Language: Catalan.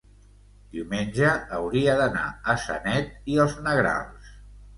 Diumenge hauria d'anar a Sanet i els Negrals.